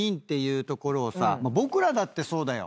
僕らだってそうだよ。